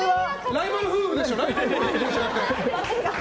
ライバル夫婦でしょ。